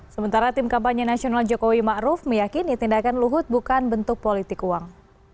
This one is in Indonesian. sementara tim kampanye nasional jokowi ma'ruf meyakini tindakan luhut bukan bentuk politik uang